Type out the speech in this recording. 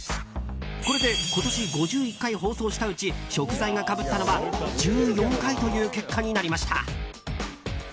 これで今年５１回放送したうち食材がかぶったのは１４回という結果になりました。